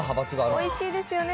おいしいですよね。